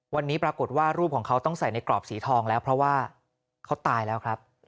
วันนี้ปรากฏว่ารูปของเขาต้องใส่ในกรอบสีทองแล้วเพราะว่าเขาตายแล้วครับ